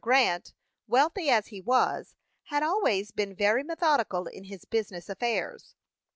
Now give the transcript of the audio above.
Grant, wealthy as he was, had always been very methodical in his business affairs.